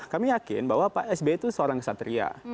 kami yakin bahwa pak sbi itu seorang ksatria